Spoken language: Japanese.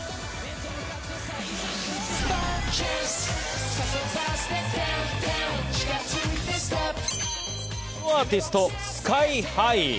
ソロアーティスト・ＳＫＹ−ＨＩ。